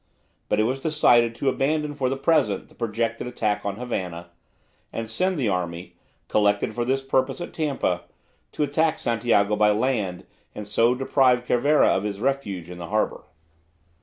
But it was decided to abandon for the present the projected attack on Havana, and send the army, collected for this purpose at Tampa, to attack Santiago by land, and so deprive Cervera of his refuge in the harbour.